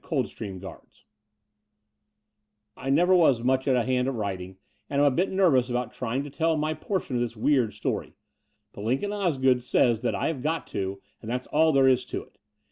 Coldstream Guards I never was much of a hand at writing, and am a bit nervous about trjdng to tell my portion of this weird story: but Lincoln Osgood says that I have got to, and that's all there is to it.